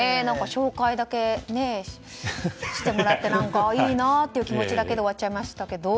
紹介だけしてもらって何か、いいなって気持ちだけで終わっちゃいましたけど。